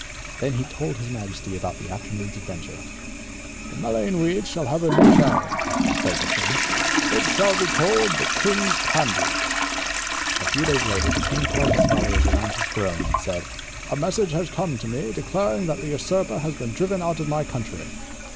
Then he told his majesty about the afternoon's adventure. "The mullein weed shall have a new name," declared the king. "It shall be called the King's Candles." A few days later the king called his followers around his throne seat and said, "A message has come to me declaring that the usurper has been driven out of my country.